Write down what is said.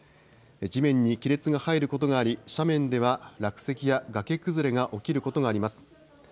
地面に亀裂が入ることがあり斜面では落石や崖崩れが起きることがあります。